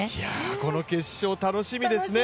この決勝、楽しみですね。